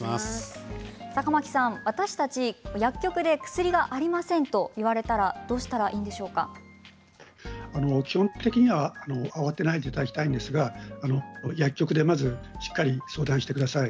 私たち、薬局で薬がありませんと言われたら基本的には慌てないでいただきたいんですが薬局でまずしっかり相談してください。